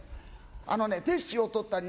あのねテッシュを取ったり。